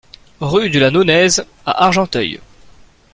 Rue de la Nonaise à Argenteuil